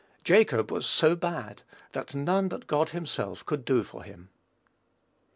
Jacob was so bad, that none but God himself could do for him.